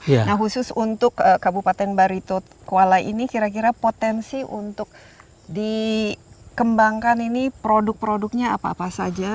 nah khusus untuk kabupaten barito kuala ini kira kira potensi untuk dikembangkan ini produk produknya apa apa saja